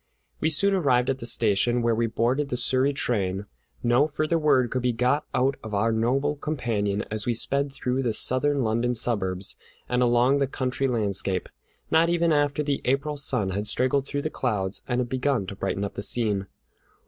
We soon arrived at the station, where we boarded the Surrey train. No further word could be got out of our noble companion as we sped through the southern London suburbs and along the country landscape, not even after the April sun had straggled through the clouds and begun to brighten up the scene.